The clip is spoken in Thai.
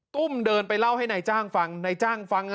ตุ้มเดินไปเล่าให้นายจ้างฟังนายจ้างฟัง